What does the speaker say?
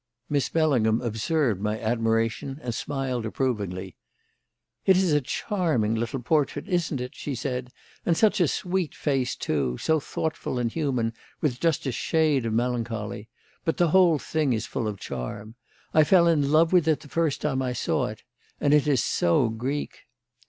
Miss Bellingham observed my admiration and smiled approvingly. "It is a charming little portrait, isn't it?" she said; "and such a sweet face, too; so thoughtful and human with just a shade of melancholy. But the whole thing is full of charm. I fell in love with it the first time I saw it. And it is so Greek!"